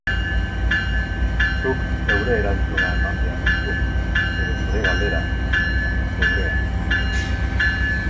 Zuk zeure erantzuna eman behar duzu, edo zure galdera, baina zeurea.